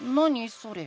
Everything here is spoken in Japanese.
それ。